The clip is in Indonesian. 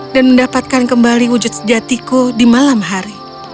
dan mendapatkan kembali wujud sejatiku di malam hari